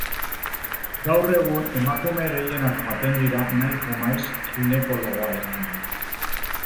Gaur egun emakume gehienak joaten dira nahiko maiz ginekologoarengana.